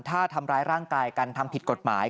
ถ้าทำร้ายร่างกายกันทำผิดกฎหมาย